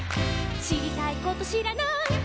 「しりたいことしらない」